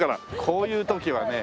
こういう時はね